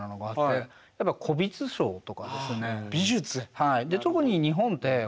はい。